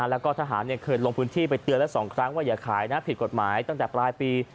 แล้วก็ทหารเคยลงพื้นที่ไปเตือนแล้ว๒ครั้งว่าอย่าขายนะผิดกฎหมายตั้งแต่ปลายปี